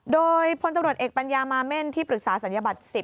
โดยพลตำรวจเอกปัญญามาเม่นที่ปรึกษาศัลยบัตร๑๐